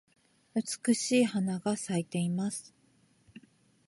美しい花が咲いています。